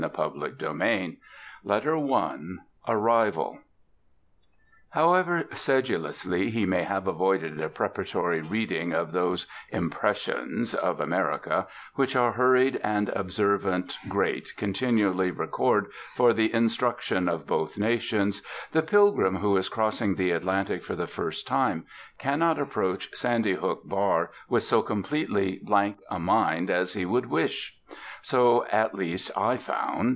HENRY JAMES LETTERS FROM AMERICA I ARRIVAL However sedulously he may have avoided a preparatory reading of those 'impressions' of America which our hurried and observant Great continually record for the instruction of both nations, the pilgrim who is crossing the Atlantic for the first time cannot approach Sandy Hook Bar with so completely blank a mind as he would wish. So, at least, I found.